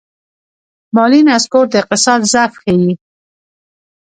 مالي نسکور د اقتصاد ضعف ښيي.